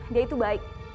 dia itu baik